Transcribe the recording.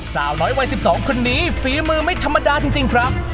สาวน้อยวัย๑๒คนนี้ฝีมือไม่ธรรมดาจริงครับ